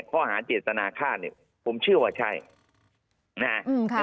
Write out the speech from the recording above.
ข้อหาเจตนาฆ่าเนี่ยผมเชื่อว่าใช่นะฮะ